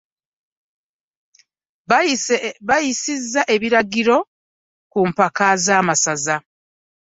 Bayisizza ebiragiro ku mpaka z'amasaza.